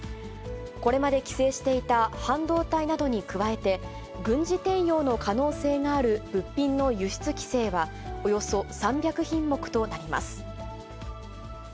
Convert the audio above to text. これまで規制していた半導体などに加えて、軍事転用の可能性のある物品の輸出規制はおよそ３００品目となります。